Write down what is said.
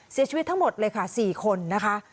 เสียชีวิตทั้งหมดเลยค่ะ๔คนนะคะ